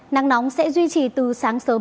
nắng nóng sẽ duy trì từ sáng sớm